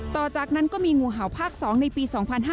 ต่อจากนั้นก็มีงูเห่าภาค๒ในปี๒๕๕๙